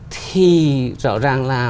thì rõ ràng là